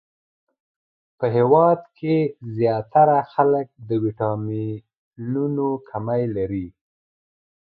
په هیواد کښی ځیاتره خلک د ويټامنونو کمې لری